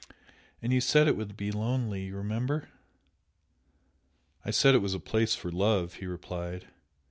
And you said it would be lonely! you remember?" "I said it was a place for love!" he replied.